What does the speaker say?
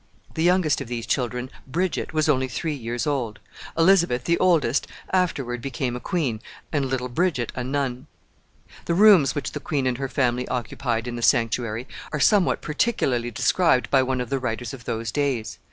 The youngest of these children, Bridget, was only three years old. Elizabeth, the oldest, afterward became a queen, and little Bridget a nun. [Illustration: ANCIENT VIEW OF WESTMINSTER.] The rooms which the queen and her family occupied in the sanctuary are somewhat particularly described by one of the writers of those days.